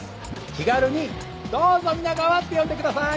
気軽に「どうぞ皆川」って呼んでください！